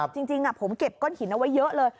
จริงผมเก็บก้อนหินเอาไว้เยอะเลย